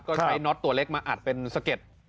ก็ใช้น็อตตัวเล็กมาอัดเป็นสะเก็ด